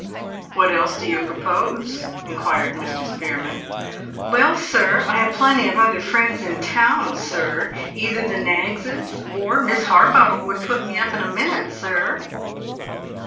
"What else do you propose?" inquired Mr. Spearman. "Well, sir, I have plenty of other friends in town, sir. Either the Knaggses or Miss Harbottle would put me up in a minute, sir."